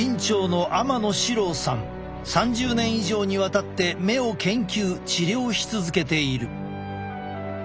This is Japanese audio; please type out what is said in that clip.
３０年以上にわたって目を研究治療し続けている。